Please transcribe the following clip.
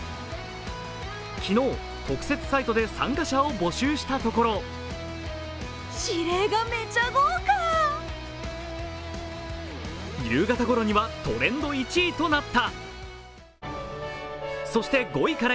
昨日、特設サイトで参加者を募集したところ夕方ごろにはトレンド１位となった。